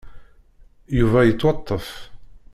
Yuba yettwaṭṭef.